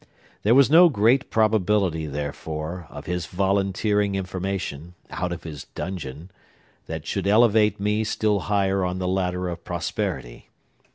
There was no great probability, therefore, of his volunteering information, out of his dungeon, that should elevate me still higher on the ladder of prosperity.